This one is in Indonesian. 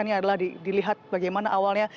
adalah dilihat bagaimana awalnya